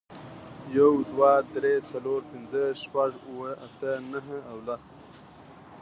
یو، دوه، درې، څلور، پینځه، شپږ، اووه، اته، نهه او لس